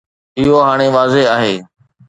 اهو هاڻي واضح آهي